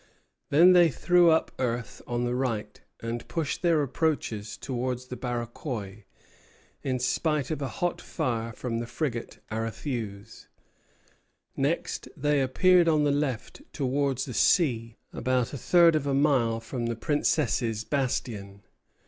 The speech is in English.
Then they threw up earth on the right, and pushed their approaches towards the Barachois, in spite of a hot fire from the frigate "Aréthuse." Next they appeared on the left towards the sea about a third of a mile from the Princess's Bastion.